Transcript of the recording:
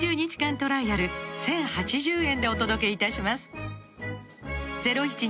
トライアル１，０８０円でお届けいたします